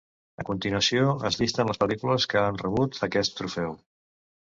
A continuació es llisten les pel·lícules que han rebut aquest trofeu.